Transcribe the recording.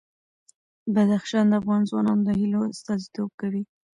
بدخشان د افغان ځوانانو د هیلو استازیتوب کوي.